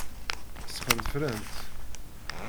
Sxenfrent.